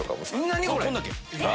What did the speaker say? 何これ⁉